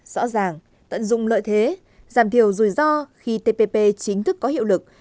rõ ràng tận dụng lợi thế giảm thiểu rủi ro khi tpp chính thức có hiệu lực